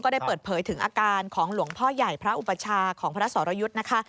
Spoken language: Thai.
ได้เปิดเผยถึงอาการของหลวงพ่อใหญ่พระอุปชาของพระสรยุทธ์นะคะ